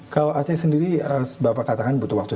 kalau aceh sendiri bapak katakan butuh waktu